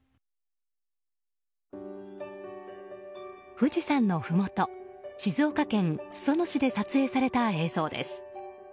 富士山のふもと静岡県裾野市で撮影された映像です。